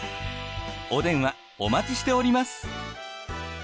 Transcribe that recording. お電話お待ちしております。